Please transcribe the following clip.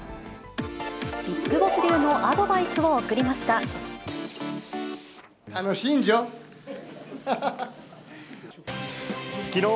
ビッグボス流のアドバイスをたのしんじょう。